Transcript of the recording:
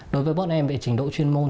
đối với bọn em về trình độ chuyên môn